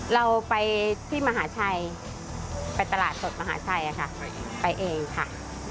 เราไปที่มหาชัยไปตลาดสดมหาชัยค่ะไปเองค่ะ